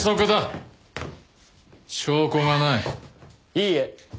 いいえ。